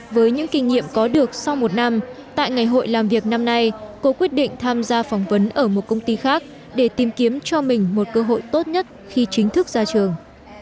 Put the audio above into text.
với những kinh nghiệm có được sau một năm tại ngày hội làm việc năm nay cô quyết định tham gia phỏng vấn ở một công ty khác để tìm kiếm cho mình một cơ hội tốt nhất khi chính thức ra trường